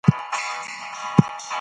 ډوبه سوې بله هر سفينه ده